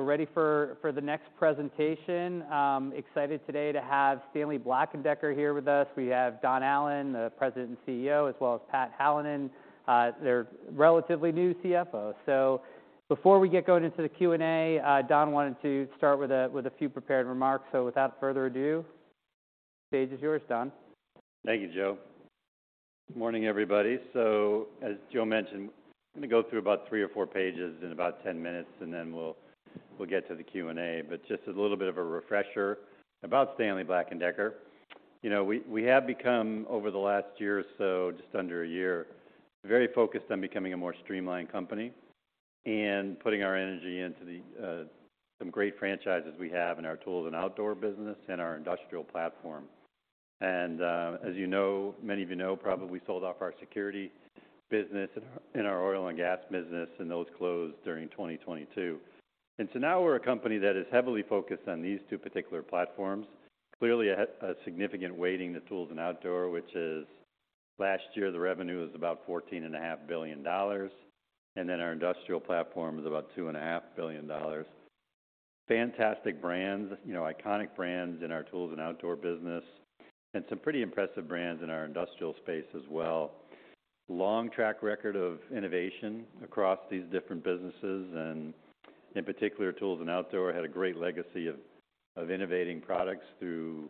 We're ready for the next presentation. Excited today to have Stanley Black & Decker here with us. We have Don Allan, the President and CEO, as well as Pat Hallinan, their relatively new CFO. Before we get going into the Q&A, Don wanted to start with a few prepared remarks. Without further ado, the stage is yours, Don. Thank you, Joe. Good morning, everybody. As Joe mentioned, I'm going to go through about three or four pages in about 10 minutes, and then we'll get to the Q&A. Just a little bit of a refresher about Stanley Black & Decker. You know, we have become, over the last year or so, just under a year, very focused on becoming a more streamlined company and putting our energy into the some great franchises we have in our tools and outdoor business and our industrial platform. As you know, many of you know, probably we sold off our security business and our oil and gas business, and those closed during 2022. Now we're a company that is heavily focused on these two particular platforms. Clearly a significant weighting to tools and outdoor, which is last year, the revenue was about $14.5 billion. Our industrial platform is about $2.5 billion. Fantastic brands, you know, iconic brands in our tools and outdoor business, and some pretty impressive brands in our industrial space as well. A long track record of innovation across these different businesses, and in particular, tools and outdoor had a great legacy of innovating products through,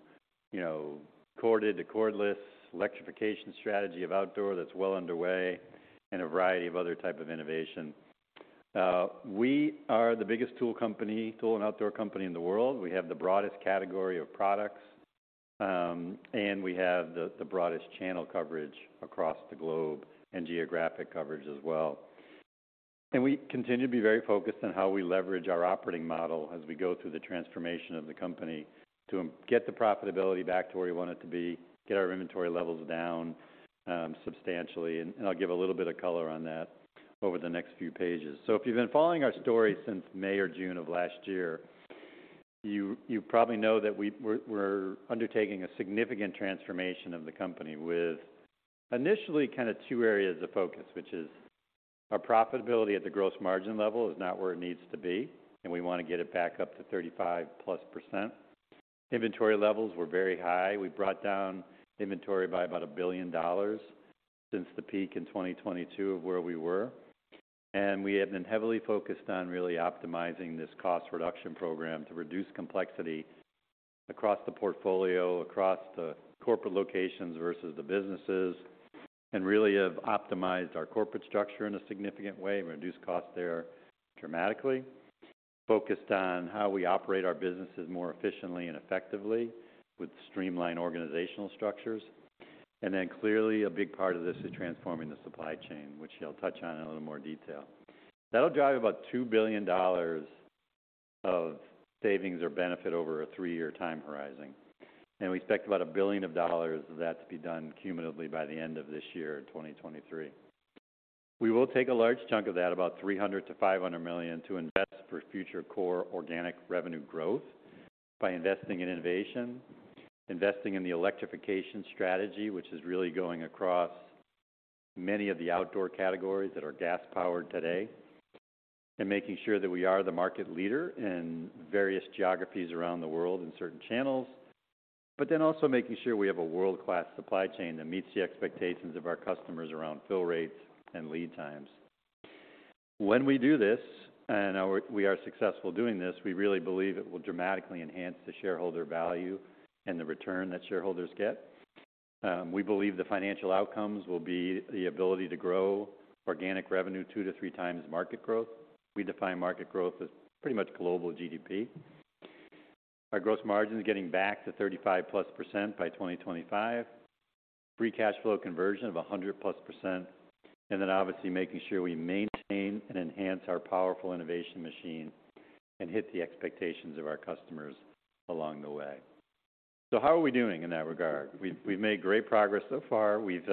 you know, corded to cordless, electrification strategy of outdoor that's well underway, and a variety of other type of innovation. We are the biggest tool company, tool and outdoor company in the world. We have the broadest category of products, and we have the broadest channel coverage across the globe and geographic coverage as well. We continue to be very focused on how we leverage our operating model as we go through the transformation of the company to get the profitability back to where we want it to be, get our inventory levels down substantially. I'll give a little bit of color on that over the next few pages. If you've been following our story since May or June of last year, you probably know that we're undertaking a significant transformation of the company with initially two areas of focus, which is our profitability at the gross margin level is not where it needs to be, and we want to get it back up to 35+%. Inventory levels were very high. We brought down inventory by about $1 billion since the peak in 2022 of where we were. We have been heavily focused on really optimizing this cost reduction program to reduce complexity across the portfolio, across the corporate locations versus the businesses, and really have optimized our corporate structure in a significant way and reduced costs there dramatically. Focused on how we operate our businesses more efficiently and effectively with streamlined organizational structures. Clearly a big part of this is transforming the supply chain, which I'll touch on in a little more detail. That'll drive about $2 billion of savings or benefit over a three-year time horizon. We expect about $1 billion of that to be done cumulatively by the end of this year in 2023. We will take a large chunk of that, about $300 million to $500 million, to invest for future core organic revenue growth by investing in innovation, investing in the electrification strategy, which is really going across many of the outdoor categories that are gas-powered today, and making sure that we are the market leader in various geographies around the world in certain channels. Also, making sure we have a world-class supply chain that meets the expectations of our customers around fill rates and lead times. When we do this, and we are successful doing this, we really believe it will dramatically enhance the shareholder value and the return that shareholders get. We believe the financial outcomes will be the ability to grow organic revenue 2x to 3x market growth. We define market growth as pretty much global GDP. Our gross margins getting back to 35+% by 2025. Free cash flow conversion of 100+ %. Obviously making sure we maintain and enhance our powerful innovation machine and hit the expectations of our customers along the way. How are we doing in that regard? We've made great progress so far. We've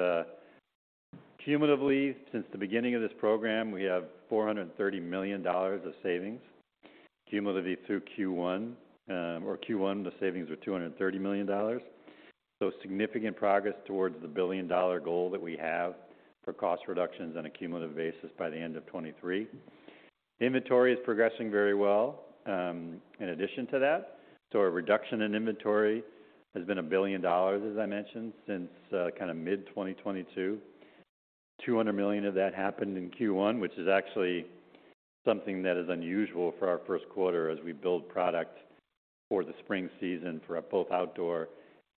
cumulatively, since the beginning of this program, we have $430 million of savings cumulatively through Q1 or Q1, the savings were $230 million. Those significant progress towards the billion-dollar goal that we have for cost reductions on a cumulative basis by the end of 2023. Inventory is progressing very well in addition to that. Our reduction in inventory has been $1 billion, as I mentioned, since mid-2022. $200 million of that happened in Q1, which is actually something that is unusual for our first quarter as we build product for the spring season for our both outdoor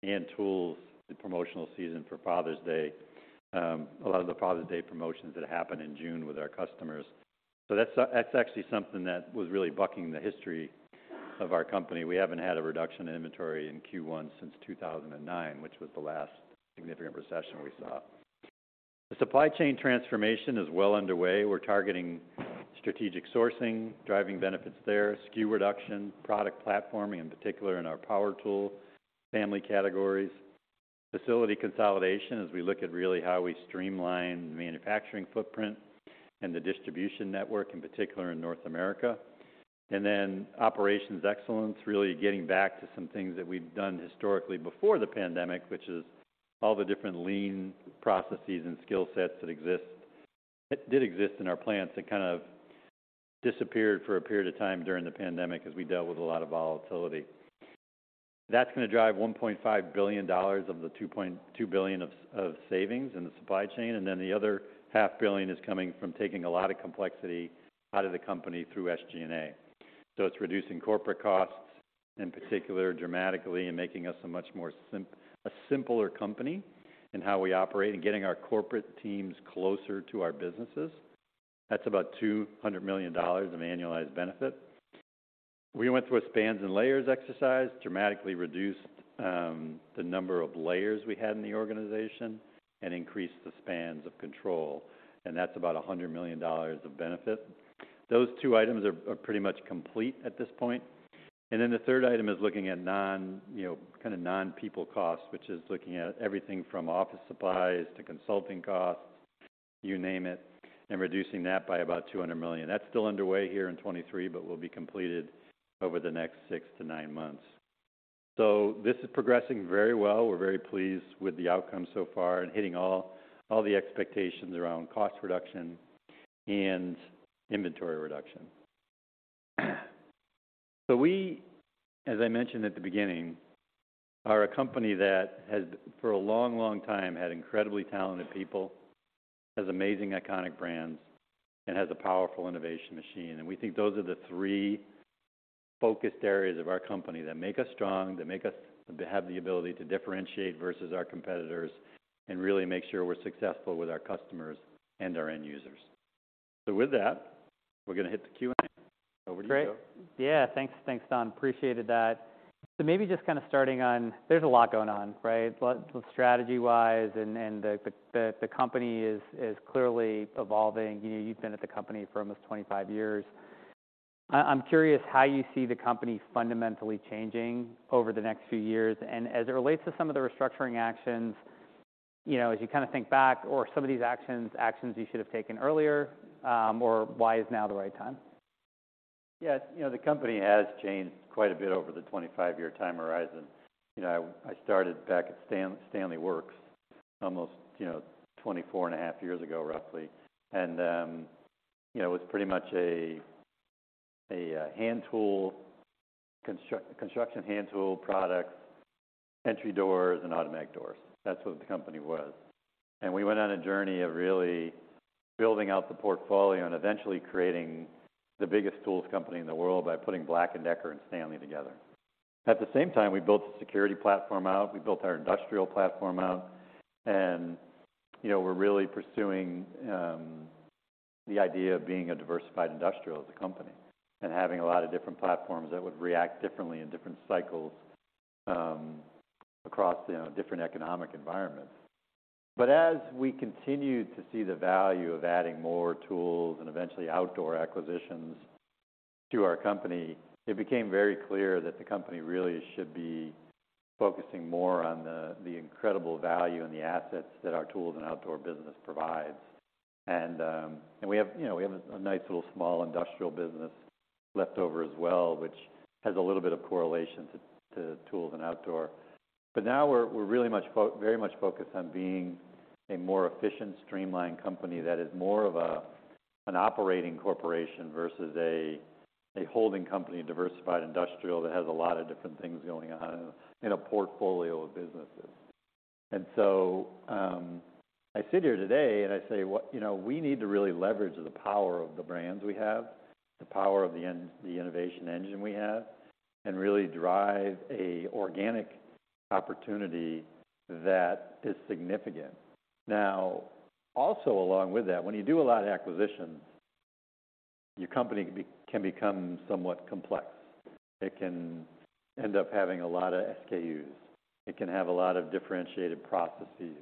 and tools promotional season for Father's Day. A lot of the Father's Day promotions that happen in June with our customers. That's actually something that was really bucking the history of our company. We haven't had a reduction in inventory in Q1 since 2009, which was the last significant recession we saw. The supply chain transformation is well underway. We're targeting strategic sourcing, driving benefits there, SKU reduction, product platforming, in particular in our power tool family categories. Facility consolidation, as we look at really how we streamline the manufacturing footprint and the distribution network, in particular in North America. Operations excellence, really getting back to some things that we've done historically before the pandemic, which is all the different lean processes and skill sets that did exist in our plants. It kind of disappeared for a period of time during the pandemic as we dealt with a lot of volatility. That's going to drive $1.5 billion of the $2.2 billion of savings in the supply chain. The other $500 million is coming from taking a lot of complexity out of the company through SG&A. It's reducing corporate costs, in particular, dramatically and making us a much more simpler company in how we operate and getting our corporate teams closer to our businesses. That's about $200 million of annualized benefit. We went through a spans and layers exercise, dramatically reduced the number of layers we had in the organization and increased the spans of control, and that's about $100 million of benefit. Those two items are pretty much complete at this point. The third item is looking at non, you know, non-people costs, which is looking at everything from office supplies to consulting costs, you name it, and reducing that by about $200 million. That's still underway here in 2023, but will be completed over the next six to nine months. This is progressing very well. We're very pleased with the outcome so far and hitting all the expectations around cost reduction and inventory reduction. We, as I mentioned at the beginning, are a company that has, for a long, long time, had incredibly talented people, has amazing iconic brands, and has a powerful innovation machine. We think those are the three focused areas of our company that make us strong, that make us have the ability to differentiate versus our competitors and really make sure we're successful with our customers and our end users. With that, we're going to hit the Q&A. Over to you, Joe. Great. Yeah. Thanks. Thanks, Don. Appreciated that. Maybe just kind of starting on, there's a lot going on, right? strategy-wise and the company is clearly evolving. You know, you've been at the company for almost 25 years. I'm curious how you see the company fundamentally changing over the next few years. As it relates to some of the restructuring actions, you know, as you think back or some of these actions you should have taken earlier, or why is now the right time? Yes. You know, the company has changed quite a bit over the 25-year time horizon. You know, I started back at Stanley Works almost, you know, 24.5 years ago, roughly. You know, it was pretty much a construction hand tool product, entry doors, and automatic doors. That's what the company was. We went on a journey of really building out the portfolio and eventually creating the biggest tools company in the world by putting Black & Decker and Stanley together. At the same time, we built the security platform out, we built our industrial platform out, you know, we're really pursuing the idea of being a diversified industrial as a company and having a lot of different platforms that would react differently in different cycles across, you know, different economic environments. As we continued to see the value of adding more tools and eventually outdoor acquisitions to our company, it became very clear that the company really should be focusing more on the incredible value and the assets that our tools and outdoor business provides. We have, you know, we have a nice little small industrial business left over as well, which has a little bit of correlation to tools and outdoor. Now we're really very much focused on being a more efficient, streamlined company that is more of an operating corporation versus a holding company, a diversified industrial that has a lot of different things going on in a portfolio of businesses. I sit here today and I say, "You know, we need to really leverage the power of the brands we have, the power of the innovation engine we have, and really drive a organic opportunity that is significant." Also, along with that, when you do a lot of acquisitions, your company can become somewhat complex. It can end up having a lot of SKUs. It can have a lot of differentiated processes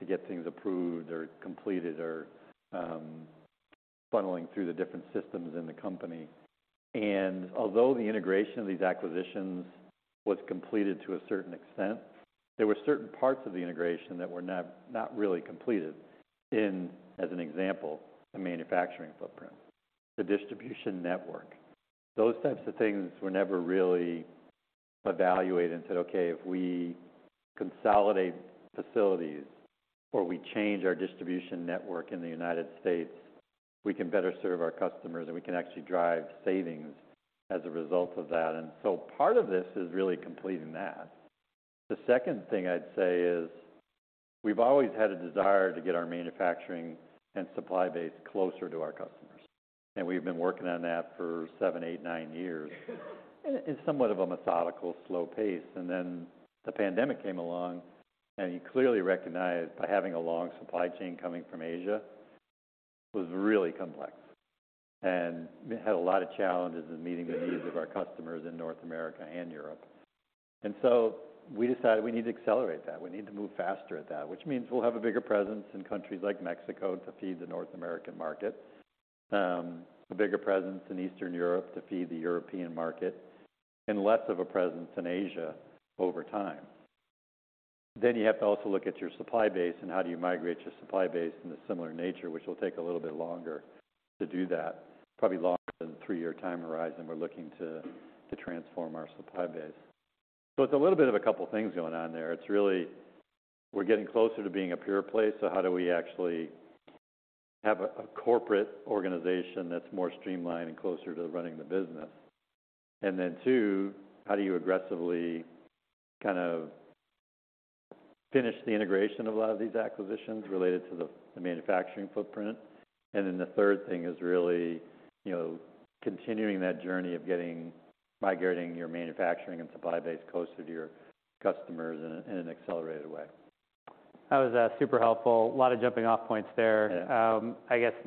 to get things approved or completed or funneling through the different systems in the company. Although the integration of these acquisitions was completed to a certain extent, there were certain parts of the integration that were not really completed in, as an example, the manufacturing footprint, the distribution network. Those types of things were never really evaluated and said, "Okay, if we consolidate facilities or we change our distribution network in the United States, we can better serve our customers, and we can actually drive savings as a result of that." Part of this is really completing that. The second thing I'd say is we've always had a desire to get our manufacturing and supply base closer to our customers, and we've been working on that for seven, eight, nine years in somewhat of a methodical, slow pace. The pandemic came along, and you clearly recognize by having a long supply chain coming from Asia was really complex and had a lot of challenges in meeting the needs of our customers in North America and Europe. We decided we need to accelerate that. We need to move faster at that, which means we'll have a bigger presence in countries like Mexico to feed the North American market, a bigger presence in Eastern Europe to feed the European market, and less of a presence in Asia over time. You have to also look at your supply base and how do you migrate your supply base in a similar nature, which will take a little bit longer to do that, probably longer than the three-year time horizon we're looking to transform our supply base. It's a little bit of a couple things going on there. It's really we're getting closer to being a pure play, so how do we actually have a corporate organization that's more streamlined and closer to running the business? Two, how do you aggressively kind of finish the integration of a lot of these acquisitions related to the manufacturing footprint? The third thing is really, you know, continuing that journey of migrating your manufacturing and supply base closer to your customers in an accelerated way. That was super helpful. A lot of jumping off points there.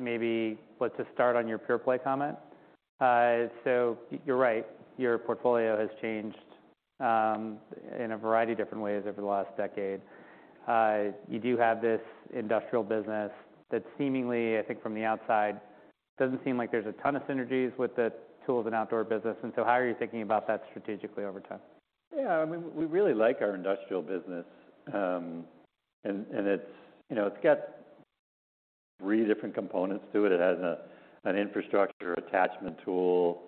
Maybe let's just start on your pure play comment. You're right, your portfolio has changed in a variety of different ways over the last decade. You do have this industrial business that seemingly, I think from the outside, doesn't seem like there's a ton of synergies with the tools and outdoor business. How are you thinking about that strategically over time? Yeah, I mean, we really like our industrial business. And it's, you know, it's got three different components to it. It has an infrastructure attachment tool,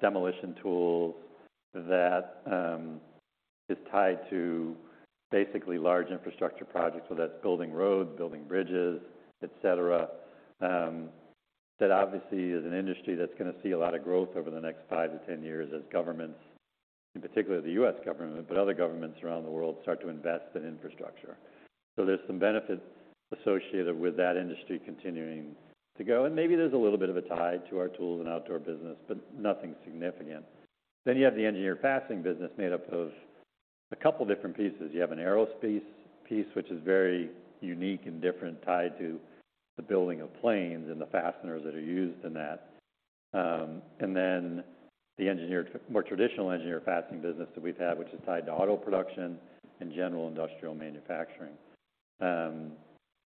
demolition tools that is tied to basically large infrastructure projects, so that's building roads, building bridges, et cetera. That obviously is an industry that's going to see a lot of growth over the next five to ten years as governments, in particular the U.S. government, but other governments around the world start to invest in infrastructure. There's some benefit associated with that industry continuing to go, and maybe there's a little bit of a tie to our Tools and Outdoor business, but nothing significant. You have the engineered fastening business made up of a couple different pieces. You have an aerospace piece, which is very unique and different tied to the building of planes and the fasteners that are used in that. The more traditional engineered fastening business that we've had, which is tied to auto production and general industrial manufacturing.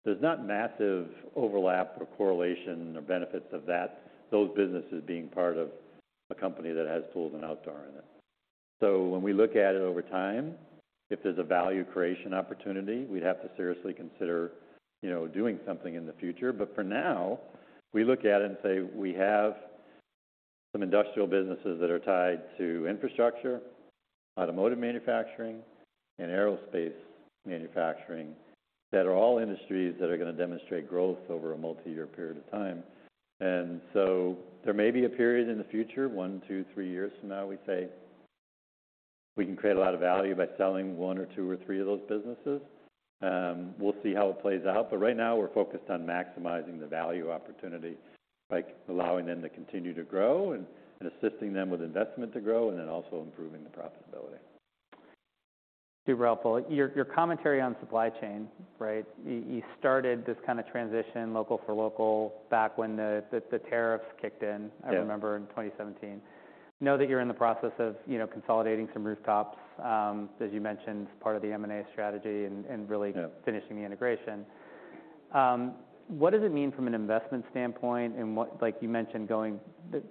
There's not massive overlap or correlation or benefits of that, those businesses being part of a company that has tools and outdoor in it. When we look at it over time, if there's a value creation opportunity, we'd have to seriously consider, you know, doing something in the future. For now, we look at it and say we have some industrial businesses that are tied to infrastructure, automotive manufacturing, and aerospace manufacturing that are all industries that are going to demonstrate growth over a multi-year period of time. There may be a period in the future, one, two, three years from now, we say we can create a lot of value by selling one or two or three of those businesses. We'll see how it plays out, but right now we're focused on maximizing the value opportunity by allowing them to continue to grow and assisting them with investment to grow, and then also improving the profitability. Super helpful. Your commentary on supply chain, right? You started this kind of transition local for local back when the tariffs kicked in. Yeah. I remember in 2017. Know that you're in the process of, you know, consolidating some rooftops, as you mentioned, as part of the M&A strategy and finishing the integration. What does it mean from an investment standpoint and like you mentioned going,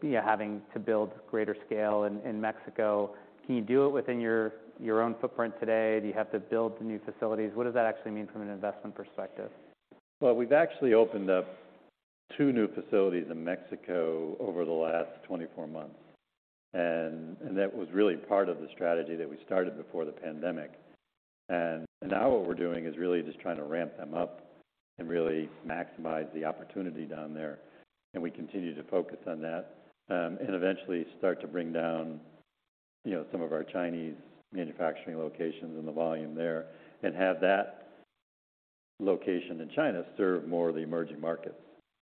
you know, having to build greater scale in Mexico? Can you do it within your own footprint today? Do you have to build the new facilities? What does that actually mean from an investment perspective? Well, we've actually opened up two new facilities in Mexico over the last 24 months. That was really part of the strategy that we started before the pandemic. Now what we're doing is really just trying to ramp them up and really maximize the opportunity down there, and we continue to focus on that. Eventually start to bring down, you know, some of our Chinese manufacturing locations and the volume there, and have that location in China serve more of the emerging markets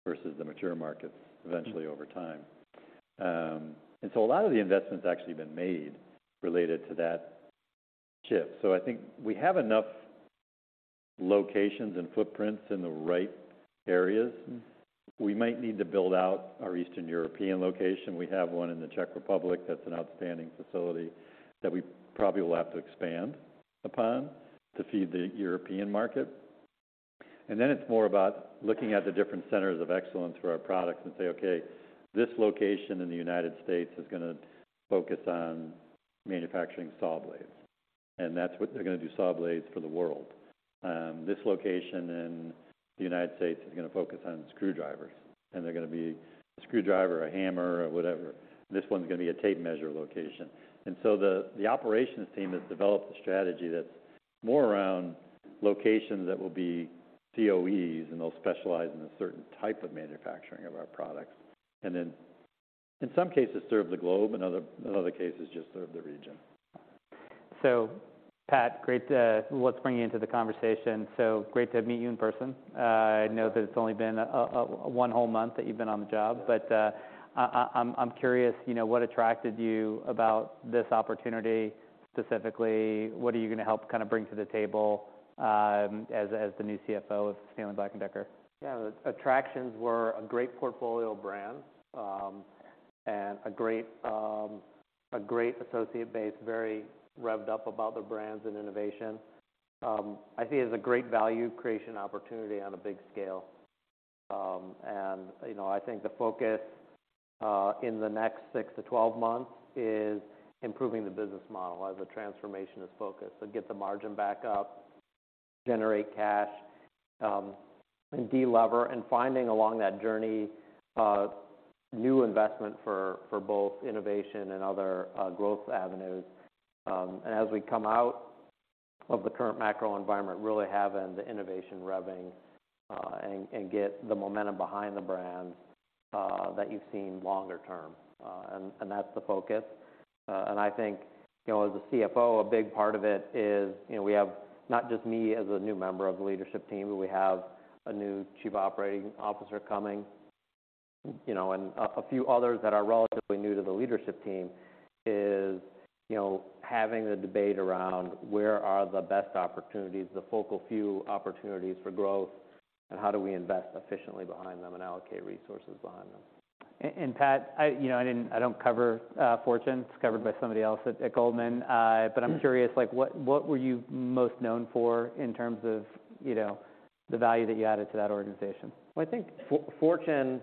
versus the mature markets eventually over time. A lot of the investment's actually been made related to that shift. I think we have enough locations and footprints in the right areas. We might need to build out our Eastern European location. We have one in the Czech Republic that's an outstanding facility that we probably will have to expand upon to feed the European market. It's more about looking at the different centers of excellence for our products and say, "Okay, this location in the United States is going to focus on manufacturing saw blades, and that's what they're going to do, saw blades for the world. This location in the United States is going to focus on screwdrivers, and they're going to be a screwdriver, a hammer, a whatever. This one's going to be a tape measure location." The operations team has developed a strategy that's more around locations that will be COEs, and they'll specialize in a certain type of manufacturing of our products. Then in some cases, serve the globe and in other cases, just serve the region. Pat, let's bring you into the conversation. Great to meet you in person. I know that it's only been one whole month that you've been on the job. I'm curious, you know, what attracted you about this opportunity, specifically, what are you going to help kind of bring to the table, as the new CFO of Stanley Black & Decker? Yeah. The attractions were a great portfolio of brands, and a great associate base, very revved up about their brands and innovation. I see it as a great value creation opportunity on a big scale. You know, I think the focus in the next six to 12 months is improving the business model as a transformation is focused. Get the margin back up, generate cash, and delever, and finding along that journey, new investment for both innovation and other, growth avenues. As we come out of the current macro environment, really having the innovation revving, and get the momentum behind the brands, that you've seen longer term. That's the focus. I think, you know, as a CFO, a big part of it is, you know, we have not just me as a new member of the leadership team, but we have a new chief operating officer coming, you know, and a few others that are relatively new to the leadership team is, you know, having the debate around where are the best opportunities, the focal few opportunities for growth, and how do we invest efficiently behind them and allocate resources behind them. Pat, you know, I don't cover Fortune. It's covered by somebody else at Goldman. I'm curious, like, what were you most known for in terms of, you know, the value that you added to that organization? Well, I think Fortune,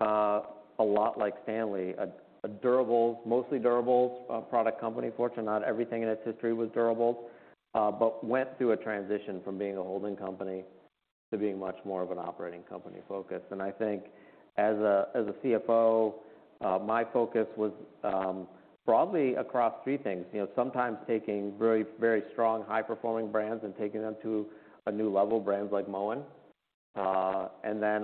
a lot like Stanley, a durable, mostly durable, product company. Fortune, not everything in its history was durable, but went through a transition from being a holding company to being much more of an operating company focus. I think as a CFO, my focus was broadly across three things. You know, sometimes taking very strong high-performing brands and taking them to a new level, brands like Moen,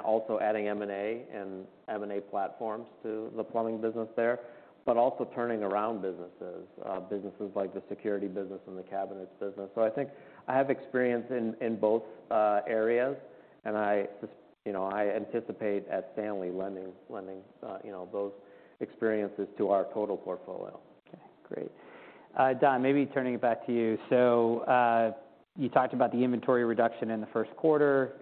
also adding M&A and M&A platforms to the plumbing business there, but also turning around businesses, businesses like the security business and the cabinets business. I think I have experience in both areas, and, you know, I anticipate at Stanley lending, you know, those experiences to our total portfolio. Okay. Great. Don, maybe turning it back to you. You talked about the inventory reduction in the first quarter,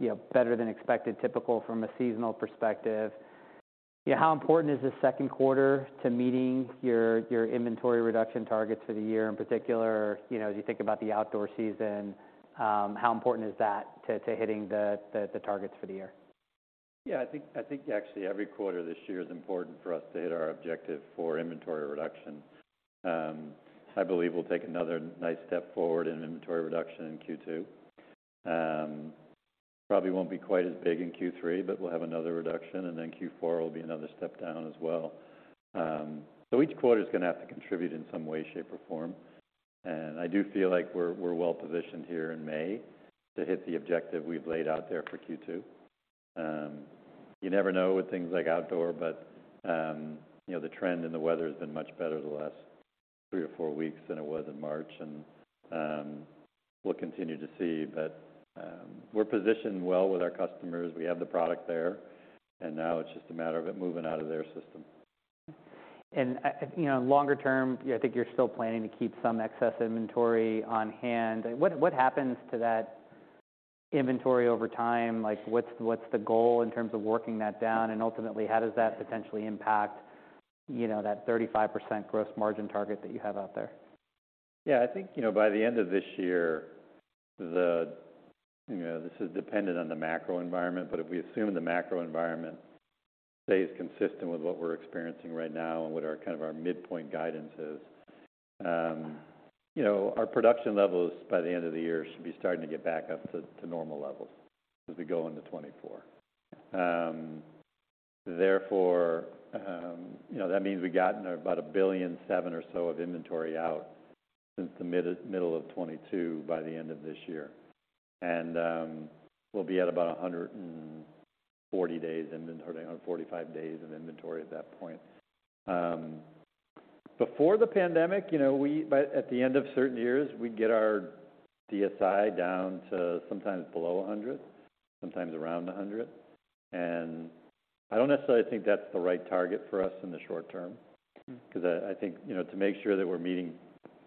you know, better than expected, typical from a seasonal perspective. Yeah, how important is this second quarter to meeting your inventory reduction targets for the year? In particular, you know, as you think about the outdoor season, how important is that to hitting the targets for the year? Yeah. I think actually every quarter this year is important for us to hit our objective for inventory reduction. I believe we'll take another nice step forward in inventory reduction in Q2. Probably won't be quite as big in Q3, but we'll have another reduction, and then Q4 will be another step down as well. Each quarter is going to have to contribute in some way, shape, or form, and I do feel like we're well-positioned here in May to hit the objective we've laid out there for Q2. You never know with things like outdoor, but, you know, the trend in the weather has been much better the last three or four weeks than it was in March, and we'll continue to see. We're positioned well with our customers. We have the product there. Now it's just a matter of it moving out of their system. You know, longer term, yeah, I think you're still planning to keep some excess inventory on hand. What happens to that inventory over time? Like, what's the goal in terms of working that down? Ultimately, how does that potentially impact, you know, that 35% gross margin target that you have out there? Yeah. I think, you know, by the end of this year, you know, this is dependent on the macro environment, but if we assume the macro environment stays consistent with what we're experiencing right now and what our, kind of our midpoint guidance is, you know, our production levels by the end of the year should be starting to get back up to normal levels as we go into 2024. Therefore, you know, that means we've gotten about $1.7 billion or so of inventory out since the middle of 2022 by the end of this year. We'll be at about 140 days inventory or 45 days of inventory at that point. Before the pandemic, you know, by at the end of certain years, we'd get our DSI down to sometimes below 100, sometimes around 100. I don't necessarily think that the right target for us in the short term because I think, you know, to make sure that we're meeting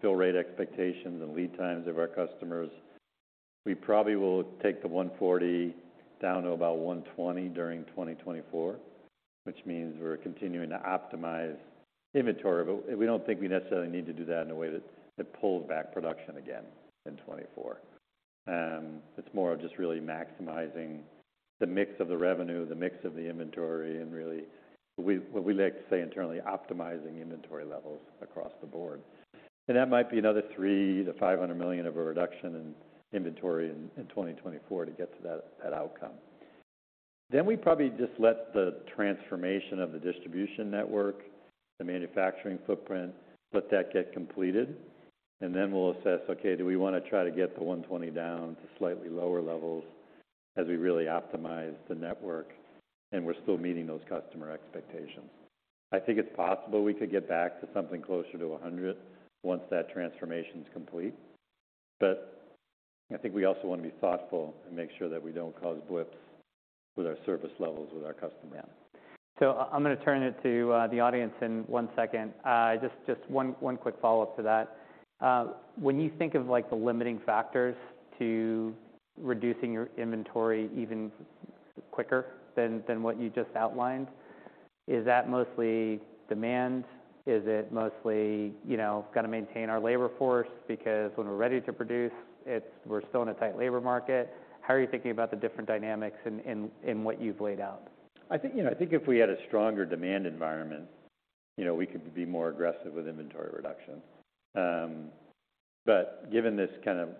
fill rate expectations and lead times of our customers, we probably will take the 140 down to about 120 during 2024, which means we're continuing to optimize inventory. We don't think we necessarily need to do that in a way that pulls back production again in 2024. It's more of just really maximizing the mix of the revenue, the mix of the inventory and really what we like to say internally, optimizing inventory levels across the board. That might be another $300 million to $500 million of a reduction in inventory in 2024 to get to that outcome. We probably just let the transformation of the distribution network, the manufacturing footprint, let that get completed, and then we'll assess, okay, do we want to try to get the 120 down to slightly lower levels as we really optimize the network and we're still meeting those customer expectations? I think it's possible we could get back to something closer to 100 once that transformation is complete, but I think we also want to be thoughtful and make sure that we don't cause blips with our service levels with our customers. Yeah. I'm going to turn it to the audience in one second. Just one quick follow-up to that. When you think of the limiting factors to reducing your inventory even quicker than what you just outlined, is that mostly demand? Is it mostly, you know, got to maintain our labor force because when we're ready to produce, we're still in a tight labor market? How are you thinking about the different dynamics in what you've laid out? I think, you know, I think if we had a stronger demand environment. You know, we could be more aggressive with inventory reduction. Given this kind of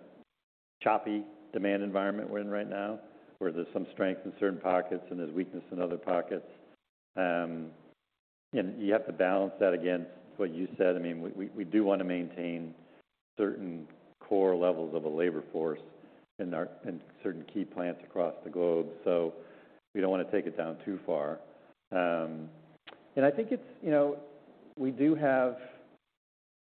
choppy demand environment we're in right now, where there's some strength in certain pockets and there's weakness in other pockets, and you have to balance that against what you said. I mean, we do want to maintain certain core levels of a labor force in certain key plants across the globe, so we don't want to take it down too far. I think it's, you know, we do have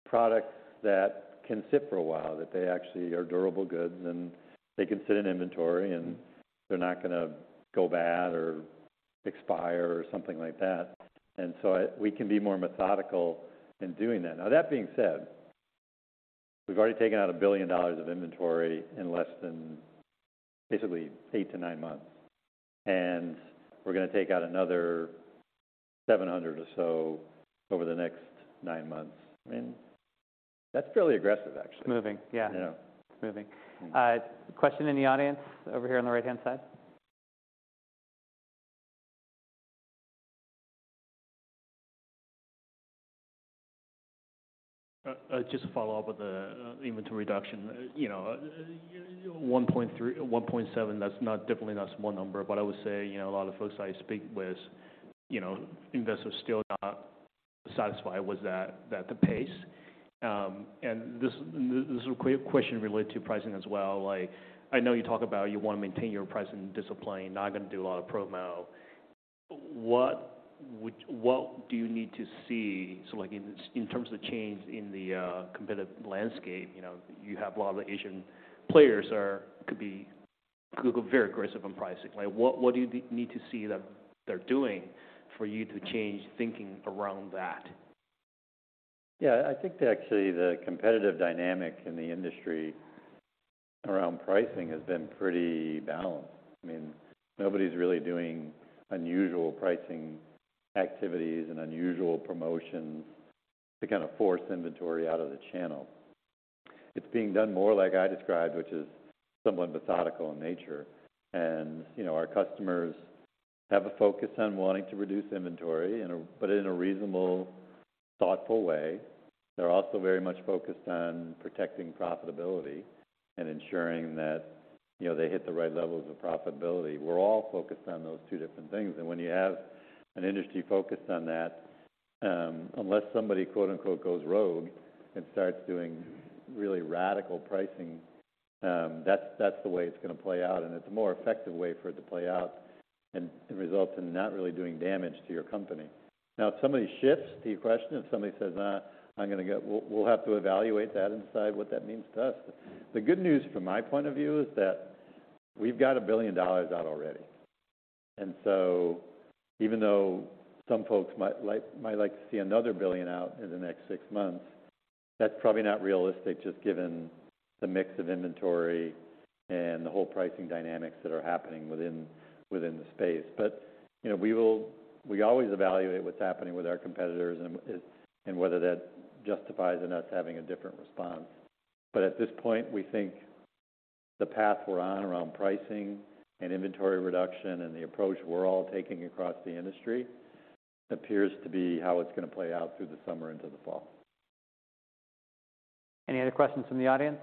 products that can sit for a while, that they actually are durable goods and they can sit in inventory and they're not going to go bad or expire or something like that. We can be more methodical in doing that. That being said, we've already taken out $1 billion of inventory in less than basically eight to nine months, and we're going to take out another $700 or so over the next nine months. I mean, that's fairly aggressive, actually. Moving, yeah. You know. Moving. Question in the audience over here on the right-hand side. Just to follow up with the inventory reduction, you know, $1.7 million, that's not, definitely not a small number. I would say, you know, a lot of folks I speak with, you know, investors still not satisfied with that, the pace. This is a quick question related to pricing as well. Like, I know you talk about you want to maintain your pricing discipline, not going to do a lot of promo. What do you need to see in terms of the change in the competitive landscape, you know, you have a lot of Asian players are, could be very aggressive on pricing? Like, what do you need to see that they're doing for you to change thinking around that? Yeah. I think actually the competitive dynamic in the industry around pricing has been pretty balanced. I mean, nobody's really doing unusual pricing activities and unusual promotions to kind of force inventory out of the channel. It's being done more like I described, which is somewhat methodical in nature. You know, our customers have a focus on wanting to reduce inventory but in a reasonable, thoughtful way. They're also very much focused on protecting profitability and ensuring that, you know, they hit the right levels of profitability. We're all focused on those two different things. When you have an industry focused on that, unless somebody, "goes rogue" and starts doing really radical pricing, that's the way it's going to play out, and it's a more effective way for it to play out and results in not really doing damage to your company. Now, if somebody shifts to your question, if somebody says, "No, I'm going to get, we'll have to evaluate that, and decide what that means to us". The good news from my point of view is that we've got $1 billion out already. Even though some folks might like to see another $1 billion out in the next six months, that's probably not realistic, just given the mix of inventory and the whole pricing dynamics that are happening within the space. You know, we always evaluate what's happening with our competitors and whether that justifies in us having a different response. At this point, we think the path we're on around pricing and inventory reduction and the approach we're all taking across the industry appears to be how it's going to play out through the summer into the fall. Any other questions from the audience?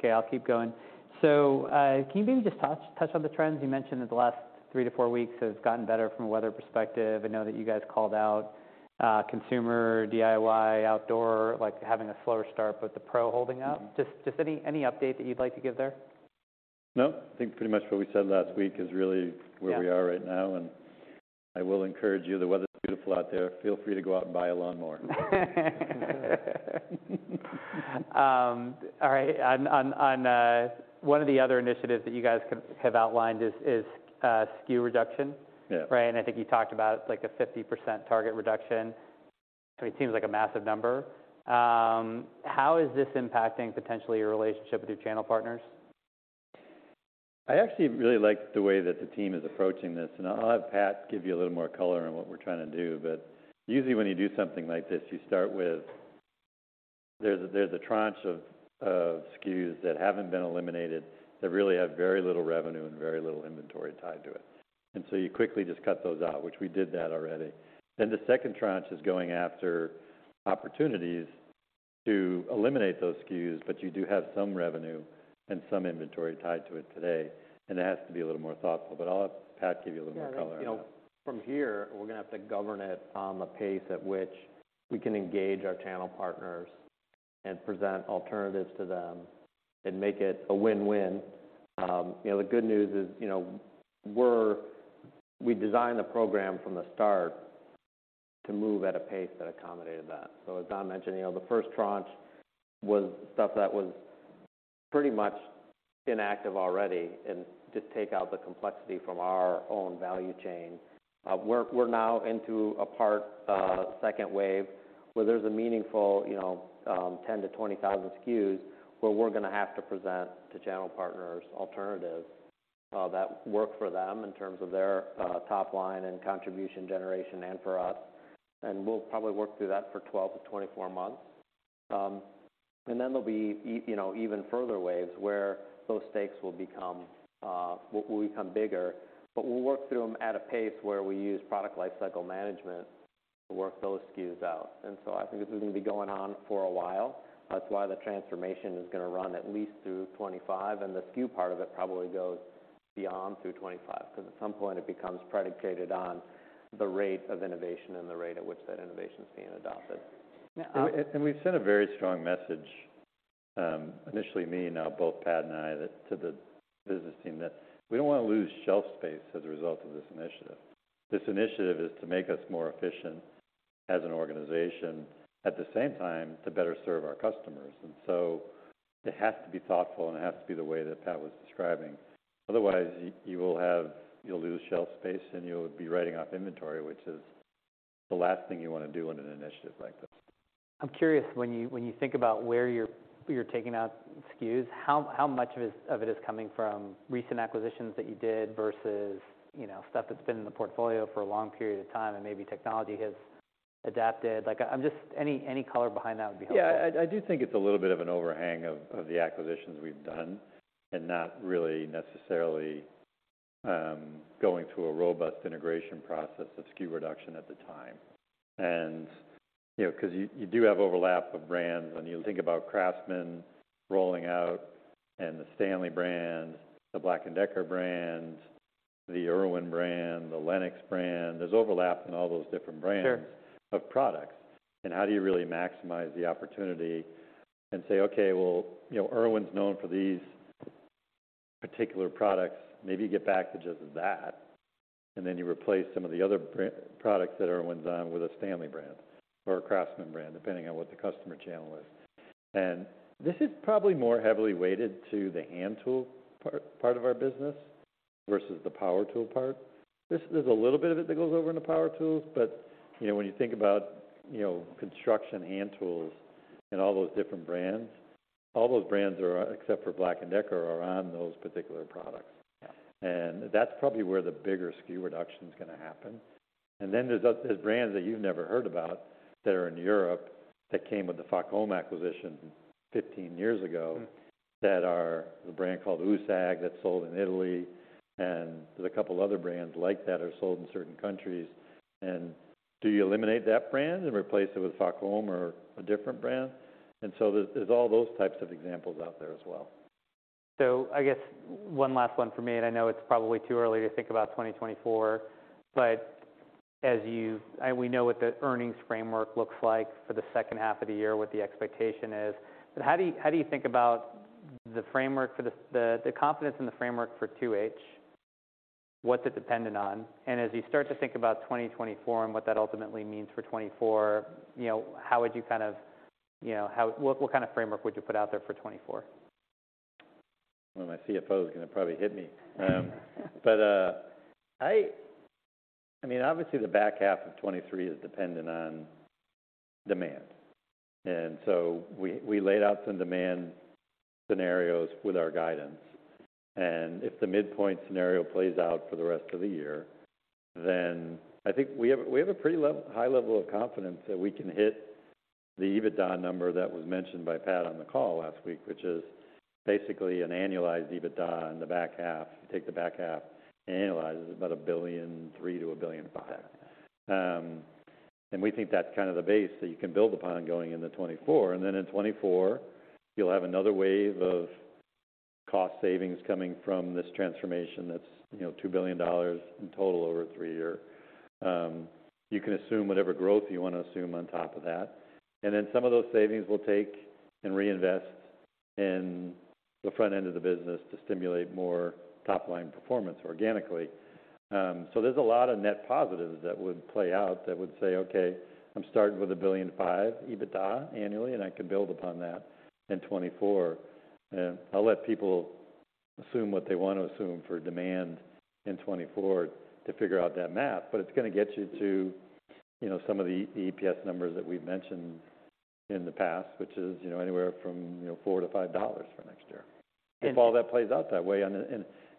Okay, I'll keep going. Can you maybe just touch on the trends? You mentioned that the last three to four weeks has gotten better from a weather perspective. I know that you guys called out consumer, DIY, outdoor, like, having a slower start, but the pro holding out. Just any update that you'd like to give there? No, I think pretty much what we said last week is where we are right now and I will encourage you, the weather's beautiful out there. Feel free to go out and buy a lawnmower. All right. On one of the other initiatives that you guys have outlined is SKU reduction plan. I think you talked about like a 50% target reduction. It seems like a massive number. How is this impacting potentially your relationship with your channel partners? I actually really like the way that the team is approaching this. I'll have Pat give you a little more color on what we're trying to do. Usually when you do something like this, you start with, there's a tranche of SKUs that haven't been eliminated that really have very little revenue and very little inventory tied to it. You quickly just cut those out, which we did that already. The second tranche is going after opportunities to eliminate those SKUs, but you do have some revenue and some inventory tied to it today. It has to be a little more thoughtful, but I'll have Pat give you a little more color on that. Yeah. You know, from here, we're going to have to govern it on the pace at which we can engage our channel partners and present alternatives to them and make it a win-win. You know, the good news is, you know, we designed the program from the start to move at a pace that accommodated that. As Don mentioned, you know, the first tranche was stuff that was pretty much inactive already and just take out the complexity from our own value chain. We're now into a part, second wave where there's a meaningful, you know, 10,000 to 20,000 SKUs where we're going to have to present to channel partners alternatives that work for them in terms of their top line and contribution generation and for us. We'll probably work through that for 12 months to 24 months. Then there'll be you know, even further waves where those stakes will become bigger. We'll work through them at a pace where we use product lifecycle management to work those SKUs out. I think this is going to be going on for a while. The transformation is going to run at least through 2025, and the SKU part of it probably goes beyond through 2025, 'cause at some point it becomes predicated on the rate of innovation and the rate at which that innovation's being adopted. We've sent a very strong message, initially me, now both Pat and I, to the business team that we don't want to lose shelf space as a result of this initiative. This initiative is to make us more efficient as an organization, at the same time, to better serve our customers. It has to be thoughtful and it has to be the way that Pat was describing. Otherwise, you'll lose shelf space and you'll be writing off inventory, which is the last thing you want to do in an initiative like this. I'm curious, when you think about where you're taking out SKUs, how much of it is coming from recent acquisitions that you did versus, you know, stuff that's been in the portfolio for a long period of time and maybe technology has adapted? Like, any color behind that would be helpful. Yeah. I do think it's a little bit of an overhang of the acquisitions we've done and not really necessarily going through a robust integration process of SKU reduction at the time, you know because you do have overlap of brands. When you think about CRAFTSMAN rolling out and the STANLEY brand, the Black & Decker brand, the IRWIN brand, and the LENOX brand. There's overlap in all those different brands of products. How do you really maximize the opportunity and say, "Okay, well, you know, IRWIN's known for these particular products, maybe get back to just that," and then you replace some of the other products that IRWIN's on with a STANLEY brand or a CRAFTSMAN brand, depending on what the customer channel is. This is probably more heavily weighted to the hand tool part of our business versus the power tool part. There's a little bit of it that goes over into power tools, but, you know, when you think about, you know, construction hand tools and all those different brands, all those brands are, except for Black & Decker, are on those particular products. That's probably where the bigger SKU reduction's going to happen. There's brands that you've never heard about that are in Europe that came with the Facom acquisition 15 years ago that are the brand called USAG that's sold in Italy, and there's a couple other brands like that are sold in certain countries. Do you eliminate that brand and replace it with Facom or a different brand? There's all those types of examples out there as well. One last one for me, and I know it's probably too early to think about 2024, but as you, and we know what the earnings framework looks like for the second half of the year, what the expectation is, how do you think about the confidence in the framework for 2H, what's it dependent on? As you start to think about 2024 and what that ultimately means for 2024, you know, how would you kind of, you know, what kind of framework would you put out there for 2024? My CFO is going to probably hit me. I mean, obviously the back half of 2023 is dependent on demand. We laid out some demand scenarios with our guidance. If the midpoint scenario plays out for the rest of the year, then I think we have a high level of confidence that we can hit the EBITDA number that was mentioned by Pat on the call last week, which is basically an annualized EBITDA in the back half. If you take the back half and annualize, it's about $1.3 billion to $1.5 billion. And we think that's kind of the base that you can build upon going into 2024. In 2024, you'll have another wave of cost savings coming from this transformation that's, you know, $2 billion in total over a three year. You can assume whatever growth you want to assume on top of that. Some of those savings we'll take and reinvest in the front end of the business to stimulate more top-line performance organically. There's a lot of net positives that would play out that would say, "Okay, I'm starting with $1.5 billion EBITDA annually, and I can build upon that in 2024." I'll let people assume what they want to assume for demand in 2024 to figure out that math, but it's going to get you to, you know, some of the EPS numbers that we've mentioned in the past, which is, you know, anywhere from, you know, $4 to $5 for next year. If all that plays out that way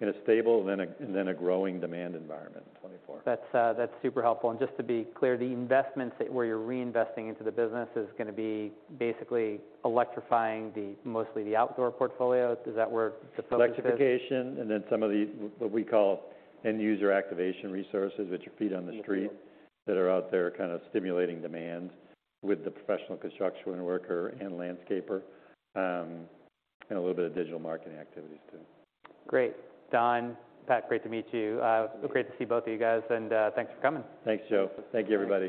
in a stable then a growing demand environment in 2024. That's, that's super helpful. Just to be clear, the investments where you're reinvesting into the business is goinbe basically electrifying mostly the outdoor portfolio. Is that where the focus is? Electrification, and then some of the, what we call end user activation resources, which are feet on the street that are out there kind of stimulating demand with the professional construction worker and landscaper, and a little bit of digital marketing activities too. Great. Don, Pat, great to meet you. Great to see both of you guys and thanks for coming. Thanks, Joe. Thank you, everybody.